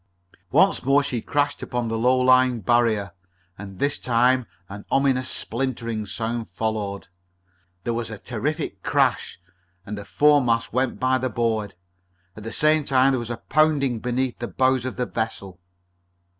Once more she crashed upon the low lying barrier, and this time an ominous splintering sound followed. There was a terrific crash, and the foremast went by the board. At the same time there was a pounding beneath the bows of the vessel.